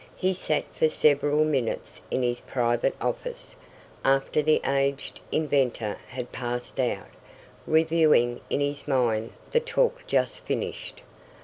He sat for several minutes in his private office, after the aged inventor had passed out, reviewing in his mind the talk just finished.